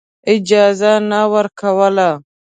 اجازه نه ورکوله.